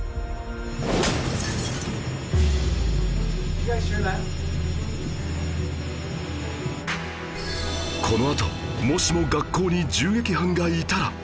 一方こちらはこのあともしも学校に銃撃犯がいたら？